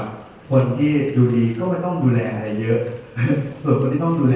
ไอ้ง่ายศแล้วก็แต่ว่าถ้าคนนี้ไม่ได้มีงานค่ะ